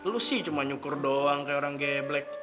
lu sih cuma nyukur doang kayak orang geblek